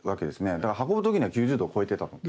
だから運ぶ時には９０度を超えてたと思う。